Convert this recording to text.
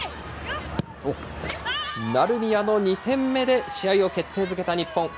成宮の２点目で試合を決定づけた日本。